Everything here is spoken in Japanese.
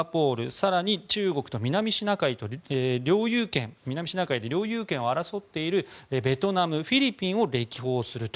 更に中国と南シナ海で領有権を争っているベトナム、フィリピンを歴訪すると。